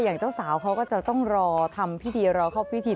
อย่างเจ้าสาวเขาก็จะต้องรอทำพิธีรอเข้าพิธี